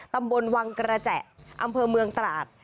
ตำบลวังกระแจอำเภอเมืองตราด